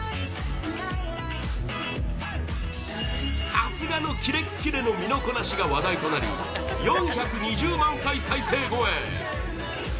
さすがのキレッキレの身のこなしが話題となり４２０万回再生超え！